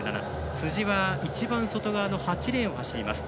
辻は一番外側の８レーンを走ります。